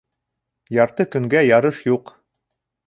Ярты көнгә ярыш юҡ.